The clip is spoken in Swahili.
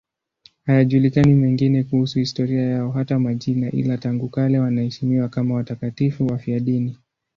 Hayajulikani mengine kuhusu historia yao, hata majina, ila tangu kale wanaheshimiwa kama watakatifu wafiadini.